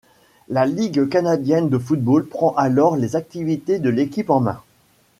La Ligue canadienne de football prend alors les activités de l'équipe en main.